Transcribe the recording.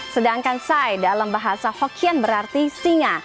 sedangkan sai dalam bahasa hokian berarti singa